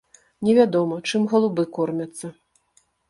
Невядома, чым галубы кормяцца.